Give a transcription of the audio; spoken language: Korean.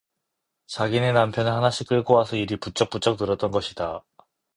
자기네 남편을 하나씩 끌고 와서 일이 부쩍부쩍 늘었던 것이다.